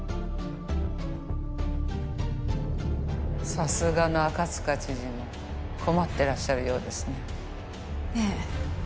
さすがの赤塚知事も困ってらっしゃるようですねええ